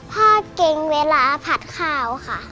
พ่อเก่งเวลาผัดข้าวค่ะ